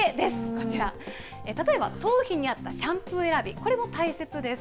こちら、例えば頭皮に合ったシャンプー選び、これも大切です。